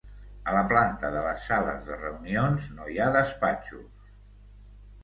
A la planta de les sales de reunions no hi ha despatxos.